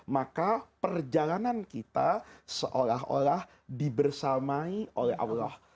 maka perjalanan kita seolah olah dibersamai oleh allah